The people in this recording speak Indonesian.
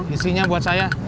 isinya buat saya